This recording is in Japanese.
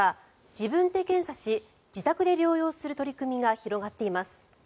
自分で検査し自宅で療養する取り組みが広がっています。